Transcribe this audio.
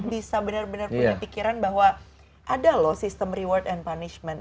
bisa benar benar punya pikiran bahwa ada loh sistem reward and punishment